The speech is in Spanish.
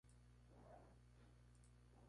La cara está surcada con cuatro rayas blancas.